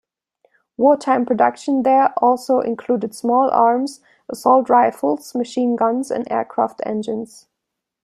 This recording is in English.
War-time production there also included small arms, assault rifles, machine guns, and aircraft engines.